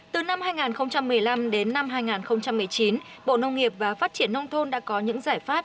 từ năm hai nghìn một mươi năm đến năm hai nghìn một mươi chín bộ nông nghiệp và phát triển nông thôn đã có những giải pháp